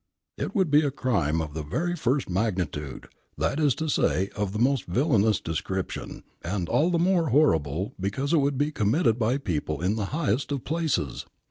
"It would be a crime of the very first magnitude, that is to say, of the most villainous description, and all the more horrible because it would be committed by people in the highest of places.